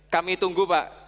kami tunggu pak